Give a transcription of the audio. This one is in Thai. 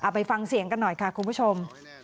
ไปฟังเสียงกันหน่อยค่ะคุณผู้ชม